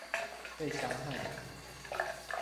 被傷害的族群